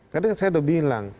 tadi saya sudah bilang